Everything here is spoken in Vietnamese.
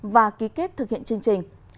và ký kết thực hiện chương trình